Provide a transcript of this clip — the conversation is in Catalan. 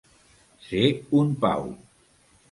Ser un pau.